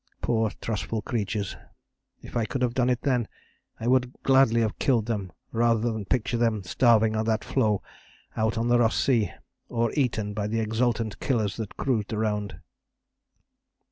Poor trustful creatures! If I could have done it then, I would gladly have killed them rather than picture them starving on that floe out on the Ross Sea, or eaten by the exultant Killers that cruised around.